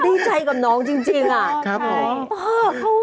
ดีใจกับน้องจริงอะครับเหรอ